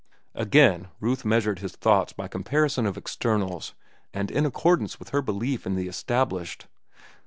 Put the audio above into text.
Again Ruth measured his thoughts by comparison of externals and in accordance with her belief in the established.